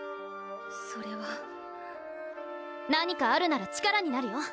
それは何かあるなら力になるよ！